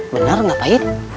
bener gak pahit